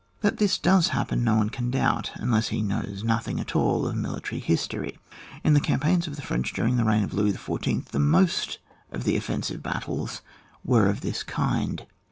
That this does happen no one can doubt, unless he knows nothing at all of military history. In the cam paigns of the French during the reig^ of Louis Xiy., the most of the offensive battles were of this kind.